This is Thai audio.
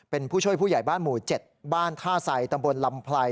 เป็นผู้ช่วยผู้ใหญ่บ้านหมู่๗บ้านท่าไสตำบลลำไพร